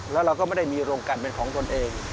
แล้วเราก็ไม่ได้มีโรงกันเป็นของตนเอง